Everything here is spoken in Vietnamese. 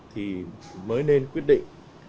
thì mới nên quyết định